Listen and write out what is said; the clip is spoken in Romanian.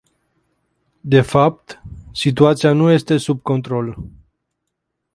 De fapt, situația nu este sub control.